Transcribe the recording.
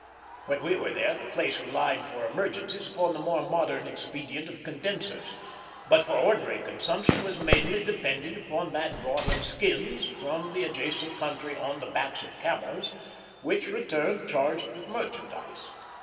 When we were there the place relied for emergencies upon the more modern expedient of condensers, but for ordinary consumption was mainly dependent upon that brought in skins from the adjacent country on the backs of camels, which returned charged with merchandise.